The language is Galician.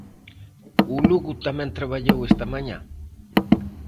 O Lugo tamén traballou esta mañá.